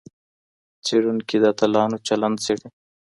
څېړونکي د اتلانو چلند څېړي.